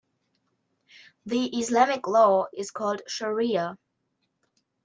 The Islamic law is called shariah.